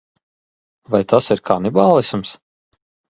Vai tas ir kanibālisms?